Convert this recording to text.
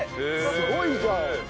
すごいじゃん。